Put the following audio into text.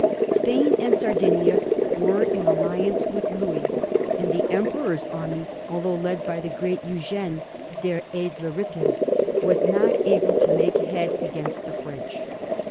Spain and Sardinia were in alliance with Louis, and the Emperor's army, although led by the great Eugene, Der edle Ritter," was not able to make head against the French.